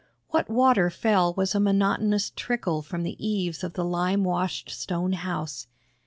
What water fell was a monotonous trickle from the eaves of the lime washed stone house.